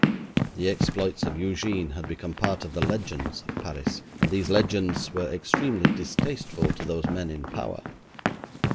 The exploits of Eugène had become part of the legends of Paris, and these legends were extremely distasteful to those men in power.